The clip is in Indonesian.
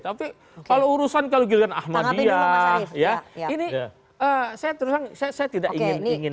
tapi kalau urusan kalau giliran ahmadiyah ya ini saya terus terang saya tidak ingin